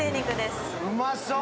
うまそう。